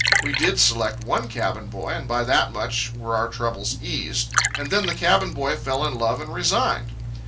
We did select one cabin boy, and by that much were our troubles eased. And then the cabin boy fell in love and resigned.